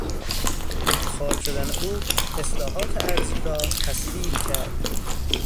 انتخاب شدن او اصلاحات ارضی را تسهیل کرد.